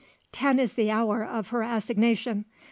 "Ten is the hour of her assignation.